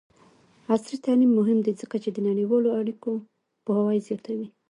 عصري تعلیم مهم دی ځکه چې د نړیوالو اړیکو پوهاوی زیاتوي.